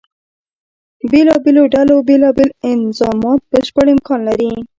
بېلابېلو ډلو بیلا بیل انظامات بشپړ امکان لري.